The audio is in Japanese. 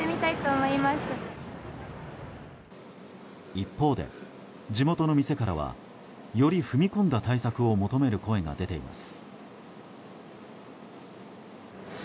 一方で、地元の店からはより踏み込んだ対策を求める声が出ています。